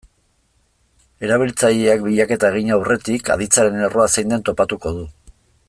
Erabiltzaileak bilaketa egin aurretik, aditzaren erroa zein den topatuko du.